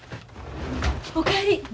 お帰り。